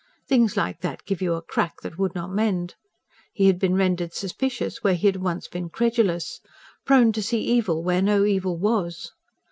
Things like that gave you a crack that would not mend. He had been rendered suspicious where he had once been credulous; prone to see evil where no evil was.